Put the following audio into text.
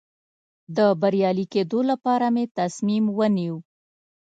د بریالي کېدو لپاره مې تصمیم ونیو.